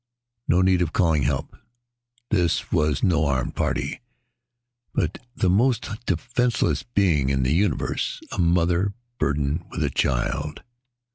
No need of calling for help. This was no armed war party, but the most defenseless being in the Universe a mother burdened with a child.